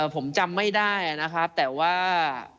ผมจำไม่ได้นะครับแต่ว่า